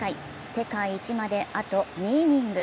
世界一まであと２イニング。